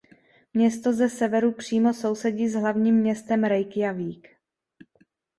Město ze severu přímo sousedí s hlavním městem Reykjavík.